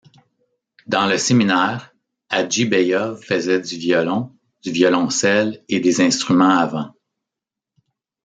Dans le séminaire, Hadjibeyov faisait du violon, du violoncelle et des instruments à vent.